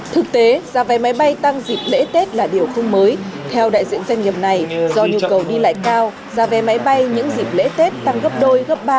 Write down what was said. thực tế giá vé máy bay tăng dịp lễ tết là điều không mới theo đại diện doanh nghiệp này do nhu cầu đi lại cao